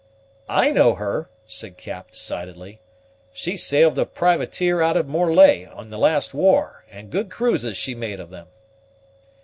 "I know her," said Cap decidedly; "she sailed a privateer out of Morlaix in the last war; and good cruises she made of them."